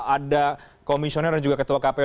ada komisioner dan juga ketua kpu